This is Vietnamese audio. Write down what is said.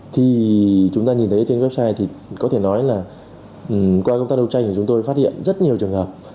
thì chúng ta nhìn thấy trên website thì có thể nói là qua công tác đấu tranh của chúng tôi phát hiện rất nhiều trường hợp